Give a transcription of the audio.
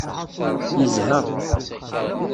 Yezha.